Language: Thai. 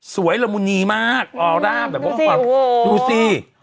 สวยละมุตรมากดูซิ